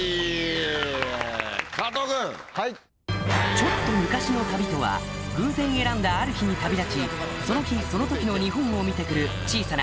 ちょっと昔の旅とは偶然選んだある日に旅立ちその日その時の日本を見て来る小さな